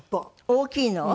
大きいのを？